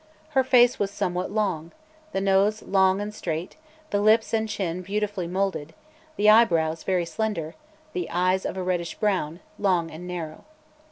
Her face was somewhat long, the nose long and straight, the lips and chin beautifully moulded, the eyebrows very slender, the eyes of a reddish brown, long and narrow.